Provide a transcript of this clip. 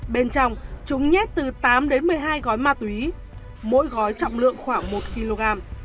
bên trong chúng nhét từ tám đến một mươi hai gói ma túy mỗi gói trọng lượng khoảng một kg